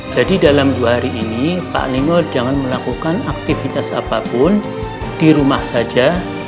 jadi dalam dua hari ini pak nino jangan melakukan aktivitas apapun di rumah saja